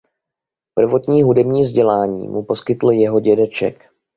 Prvotní hudební vzdělání mu poskytl jeho dědeček.